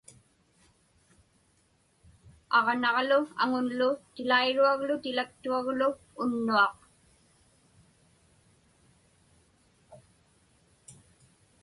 Aġnaġlu aŋunlu tilairuaglu tilaktuaglu unnuaq.